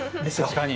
確かに。